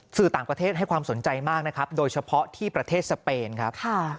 สื่อต่างประเทศให้ความสนใจมากนะครับโดยเฉพาะที่ประเทศสเปนครับ